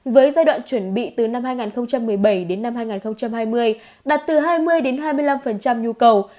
với giai đoạn chuẩn bị từ năm hai nghìn một mươi bảy đến năm hai nghìn hai mươi đạt từ hai mươi hai mươi năm nhu cầu